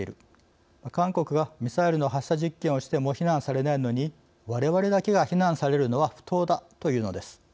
韓国がミサイルの発射実験をしても非難されないのにわれわれだけが非難されるのは不当だ」というのです。